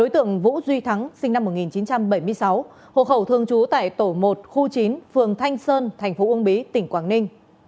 tổ một khu chín phường thanh sơn tp ung bí tỉnh quảng ninh